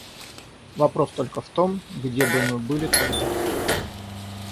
Вопрос только в том, где бы мы были тогда.